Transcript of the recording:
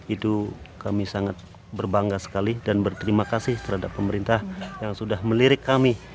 itu kami sangat berbangga sekali dan berterima kasih terhadap pemerintah yang sudah melirik kami